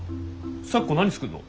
咲子何作るの？